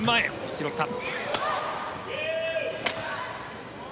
拾った。